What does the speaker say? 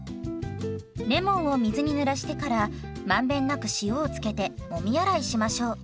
レモンを水にぬらしてから満遍なく塩を付けてもみ洗いしましょう。